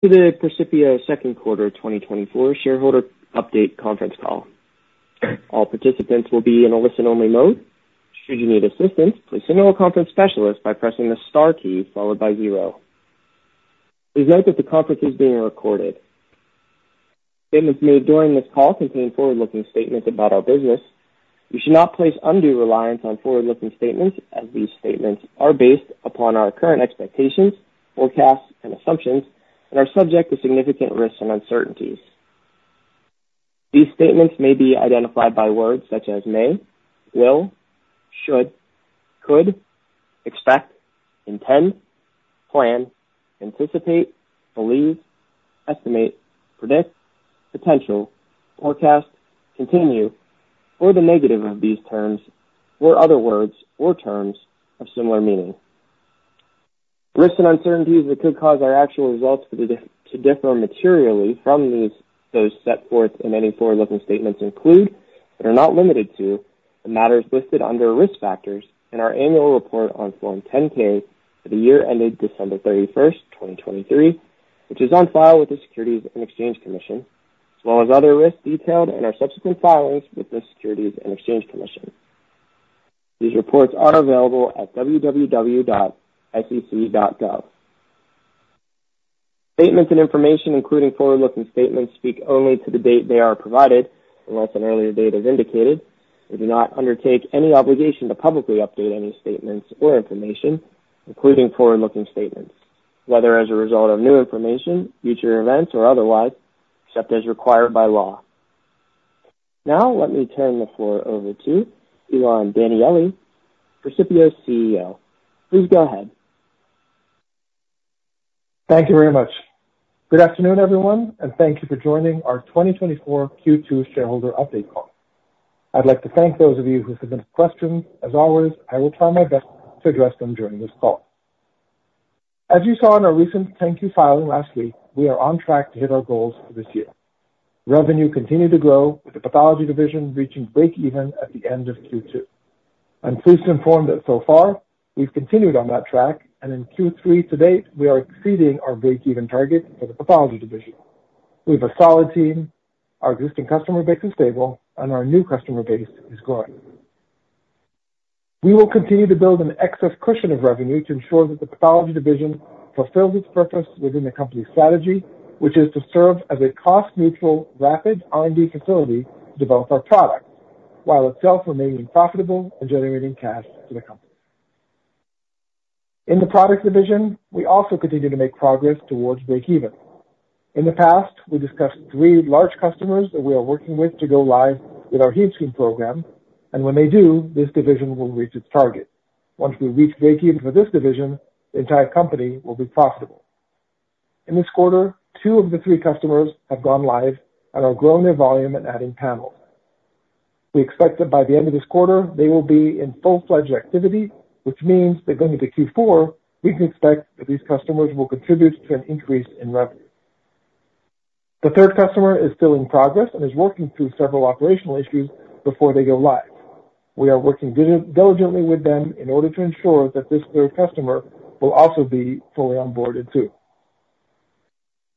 The Precipio second quarter 2024 shareholder update conference call. All participants will be in a listen-only mode. Should you need assistance, please signal a conference specialist by pressing the star key followed by zero. Please note that the conference is being recorded. Statements made during this call contain forward-looking statements about our business. You should not place undue reliance on forward-looking statements, as these statements are based upon our current expectations, forecasts, and assumptions and are subject to significant risks and uncertainties. These statements may be identified by words such as may, will, should, could, expect, intend, plan, anticipate, believe, estimate, predict, potential, forecast, continue, or the negative of these terms, or other words or terms of similar meaning. Risks and uncertainties that could cause our actual results to differ materially from these, those set forth in any forward-looking statements include, but are not limited to, the matters listed under Risk Factors in our Annual Report on Form 10-K for the year ended December 31st, 2023, which is on file with the Securities and Exchange Commission, as well as other risks detailed in our subsequent filings with the Securities and Exchange Commission. These reports are available at www.sec.gov. Statements and information, including forward-looking statements, speak only to the date they are provided, unless an earlier date is indicated. We do not undertake any obligation to publicly update any statements or information, including forward-looking statements, whether as a result of new information, future events, or otherwise, except as required by law. Now, let me turn the floor over to Ilan Danieli, Precipio's CEO. Please go ahead. Thank you very much. Good afternoon, everyone, and thank you for joining our 2024 Q2 shareholder update call. I'd like to thank those of you who submitted questions. As always, I will try my best to address them during this call. As you saw in our recent 10-K filing last week, we are on track to hit our goals for this year. Revenue continued to grow, with the pathology division reaching breakeven at the end of Q2. I'm pleased to inform that so far, we've continued on that track, and in Q3 to date, we are exceeding our breakeven target for the pathology division. We have a solid team, our existing customer base is stable, and our new customer base is growing. We will continue to build an excess cushion of revenue to ensure that the pathology division fulfills its purpose within the company's strategy, which is to serve as a cost-neutral, rapid R&D facility to develop our products, while itself remaining profitable and generating cash to the company. In the products division, we also continue to make progress towards breakeven. In the past, we discussed three large customers that we are working with to go live with our HemeScreen program, and when they do, this division will reach its target. Once we reach breakeven for this division, the entire company will be profitable. In this quarter, two of the three customers have gone live and are growing their volume and adding panels. We expect that by the end of this quarter, they will be in full-fledged activity, which means that going into Q4, we can expect that these customers will contribute to an increase in revenue. The third customer is still in progress and is working through several operational issues before they go live. We are working diligently with them in order to ensure that this third customer will also be fully onboarded too.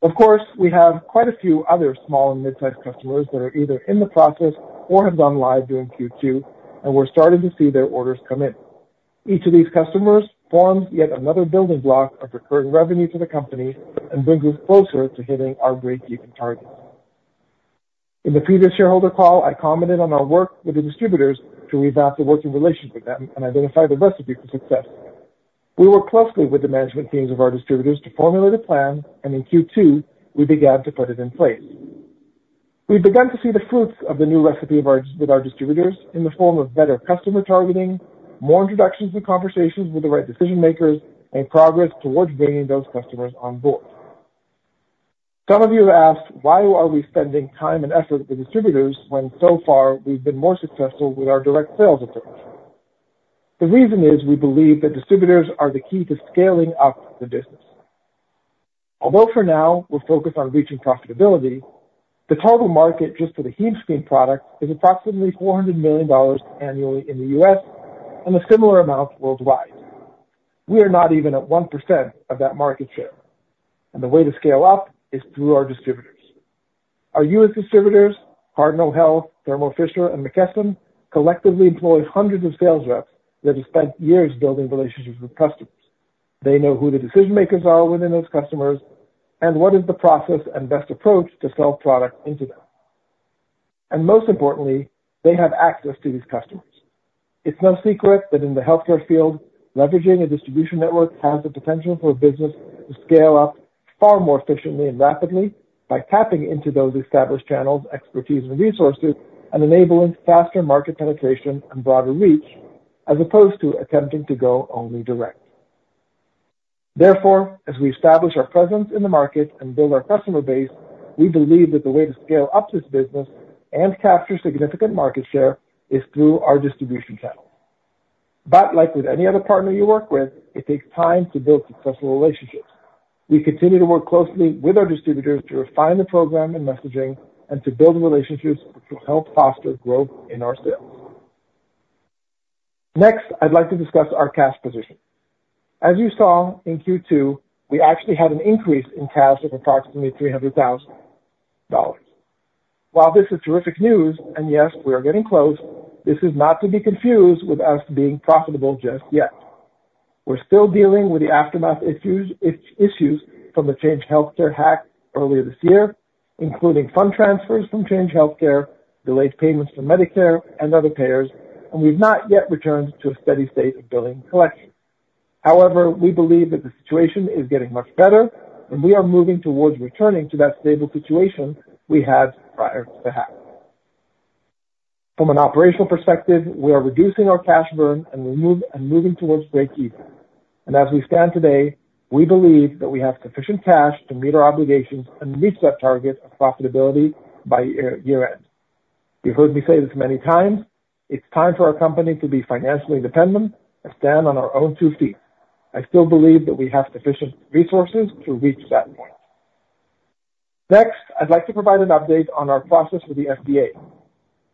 Of course, we have quite a few other small and mid-sized customers that are either in the process or have gone live during Q2, and we're starting to see their orders come in. Each of these customers forms yet another building block of recurring revenue to the company and brings us closer to hitting our breakeven targets. In the previous shareholder call, I commented on our work with the distributors to revamp the working relationship with them and identify the recipe for success. We worked closely with the management teams of our distributors to formulate a plan, and in Q2, we began to put it in place. We've begun to see the fruits of the new recipe with our distributors in the form of better customer targeting, more introductions and conversations with the right decision makers, and progress towards bringing those customers on board. Some of you have asked, "Why are we spending time and effort with distributors when so far we've been more successful with our direct sales approach?" The reason is, we believe that distributors are the key to scaling up the business. Although for now we're focused on reaching profitability, the total market just for the HemeScreen product is approximately $400 million annually in the U.S. and a similar amount worldwide. We are not even at 1% of that market share, and the way to scale up is through our distributors. Our U.S. distributors, Cardinal Health, Thermo Fisher, and McKesson, collectively employ hundreds of sales reps that have spent years building relationships with customers. They know who the decision makers are within those customers and what is the process and best approach to sell product into them, and most importantly, they have access to these customers. It's no secret that in the healthcare field, leveraging a distribution network has the potential for business to scale up far more efficiently and rapidly by tapping into those established channels, expertise, and resources, and enabling faster market penetration and broader reach, as opposed to attempting to go only direct. Therefore, as we establish our presence in the market and build our customer base, we believe that the way to scale up this business and capture significant market share is through our distribution channels. But like with any other partner you work with, it takes time to build successful relationships. We continue to work closely with our distributors to refine the program and messaging and to build relationships which will help foster growth in our sales. Next, I'd like to discuss our cash position. As you saw in Q2, we actually had an increase in cash of approximately $300,000. While this is terrific news, and yes, we are getting close, this is not to be confused with us being profitable just yet. We're still dealing with the aftermath issues from the Change Healthcare hack earlier this year, including fund transfers from Change Healthcare, delayed payments from Medicare and other payers, and we've not yet returned to a steady state of billing and collection. However, we believe that the situation is getting much better, and we are moving towards returning to that stable situation we had prior to the hack. From an operational perspective, we are reducing our cash burn and we're and moving towards breakeven. And as we stand today, we believe that we have sufficient cash to meet our obligations and reach that target of profitability by year-end. You've heard me say this many times: It's time for our company to be financially independent and stand on our own two feet. I still believe that we have sufficient resources to reach that point. Next, I'd like to provide an update on our process with the FDA.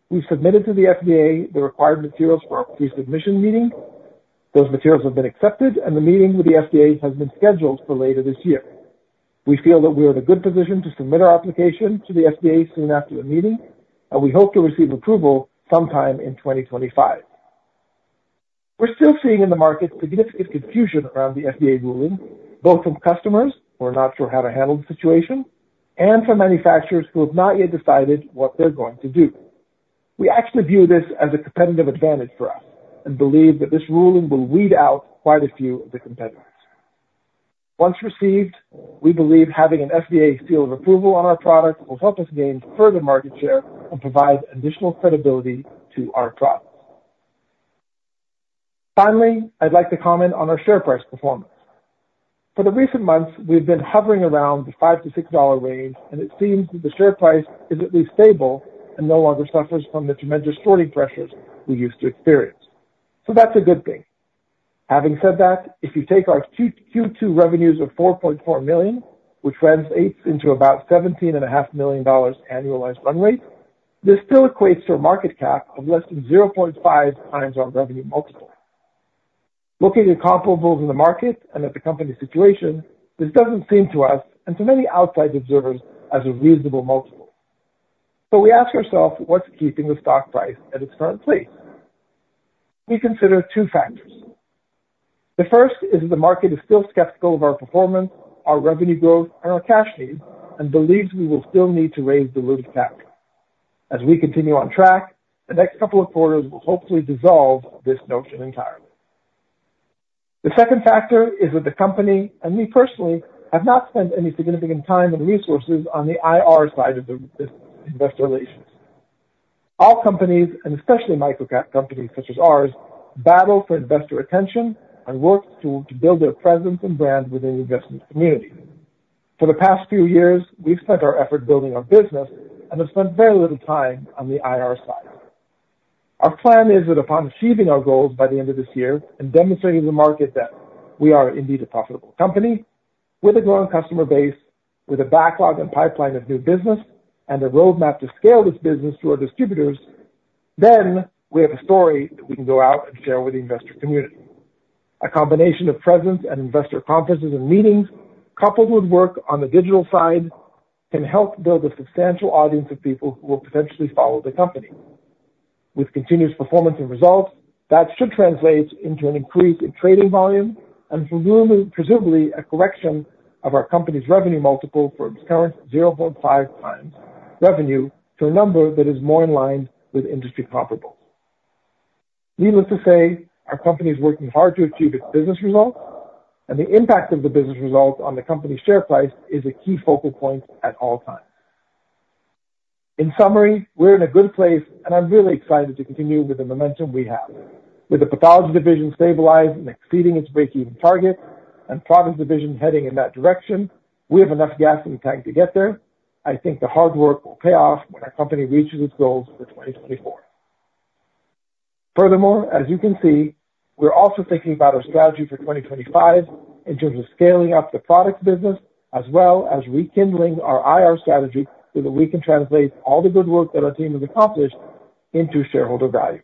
We submitted to the FDA the required materials for our pre-submission meeting. Those materials have been accepted, and the meeting with the FDA has been scheduled for later this year. We feel that we are in a good position to submit our application to the FDA soon after the meeting, and we hope to receive approval sometime in 2025. We're still seeing in the market significant confusion around the FDA ruling, both from customers who are not sure how to handle the situation and from manufacturers who have not yet decided what they're going to do. We actually view this as a competitive advantage for us and believe that this ruling will weed out quite a few of the competitors. Once received, we believe having an FDA seal of approval on our product will help us gain further market share and provide additional credibility to our products. Finally, I'd like to comment on our share price performance. For the recent months, we've been hovering around the $5-$6 range, and it seems that the share price is at least stable and no longer suffers from the tremendous shorting pressures we used to experience. So that's a good thing. Having said that, if you take our Q2 revenues of $4.4 million, which translates into about $17.5 million annualized run rate, this still equates to a market cap of less than 0.5 times our revenue multiple. Looking at comparables in the market and at the company situation, this doesn't seem to us, and to many outside observers, as a reasonable multiple. So we ask ourselves, what's keeping the stock price at its current place? We consider two factors. The first is that the market is still skeptical of our performance, our revenue growth, and our cash needs, and believes we will still need to raise diluted capital. As we continue on track, the next couple of quarters will hopefully dissolve this notion entirely. The second factor is that the company, and me personally, have not spent any significant time and resources on the IR side of this investor relations. All companies, and especially microcap companies such as ours, battle for investor attention and work to build their presence and brand within the investment community. For the past few years, we've spent our effort building our business and have spent very little time on the IR side. Our plan is that upon achieving our goals by the end of this year and demonstrating to the market that we are indeed a profitable company with a growing customer base, with a backlog and pipeline of new business and a roadmap to scale this business through our distributors, then we have a story that we can go out and share with the investor community. A combination of presence at investor conferences and meetings, coupled with work on the digital side, can help build a substantial audience of people who will potentially follow the company. With continuous performance and results, that should translate into an increase in trading volume and presumably a correction of our company's revenue multiple from its current zero point five times revenue to a number that is more in line with industry comparable. Needless to say, our company is working hard to achieve its business results, and the impact of the business results on the company's share price is a key focal point at all times. In summary, we're in a good place, and I'm really excited to continue with the momentum we have. With the pathology division stabilized and exceeding its breakeven targets, and products division heading in that direction, we have enough gas in the tank to get there. I think the hard work will pay off when our company reaches its goals for 2024. Furthermore, as you can see, we're also thinking about our strategy for 2025 in terms of scaling up the product business as well as rekindling our IR strategy, so that we can translate all the good work that our team has accomplished into shareholder value.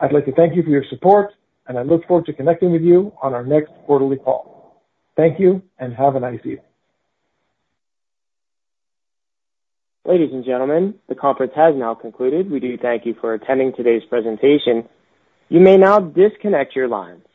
I'd like to thank you for your support, and I look forward to connecting with you on our next quarterly call. Thank you, and have a nice day. Ladies and gentlemen, the conference has now concluded. We do thank you for attending today's presentation. You may now disconnect your lines.